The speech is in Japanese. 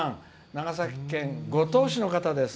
長崎県五島市の方。